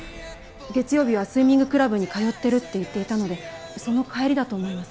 月曜日はスイミングクラブに通ってるって言っていたのでその帰りだと思います。